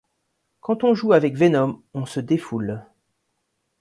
Quand on joue avec Venom, on se défoule.